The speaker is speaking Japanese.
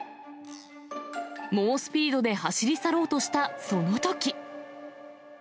猛スピードで走り去ろうとしたそのとき。